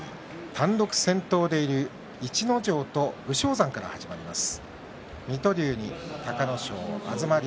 単独先頭の逸ノ城と武将山から始まります。